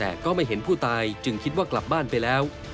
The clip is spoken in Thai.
แต่ก็ไม่เห็นผู้ตายจึงคิดว่ากลับบ้านไปแล้ว